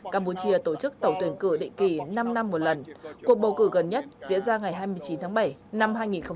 kỳ năm năm một lần cuộc bầu cử gần nhất diễn ra ngày hai mươi chín tháng bảy năm hai nghìn một mươi tám